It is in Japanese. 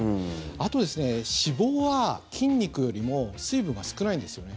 あと、脂肪は筋肉よりも水分が少ないんですよね。